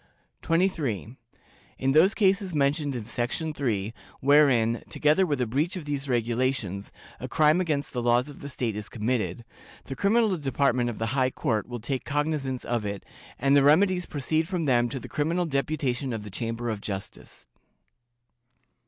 "23. In those cases mentioned in section 3, wherein, together with a breach of these regulations, a crime against the laws of the state is committed, the criminal department of the High Court will take cognizance of it, and the remedies proceed from them to the criminal deputation of the Chamber of Justice.